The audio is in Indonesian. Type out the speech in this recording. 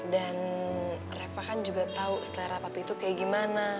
dan reva kan juga tau selera papi tuh kayak gimana